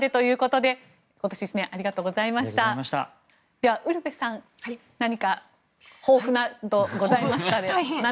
ではウルヴェさん何か抱負などございましたら。